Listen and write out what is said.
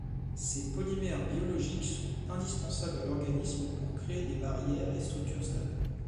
Ces polymères biologiques sont indispensables à l'organisme pour créer des barrières et structures stables.